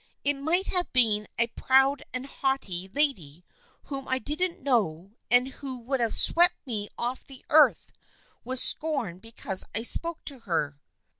It might have been a proud and haughty lady whom I didn't know and who would have swept me off the earth with scorn be cause I spoke to her."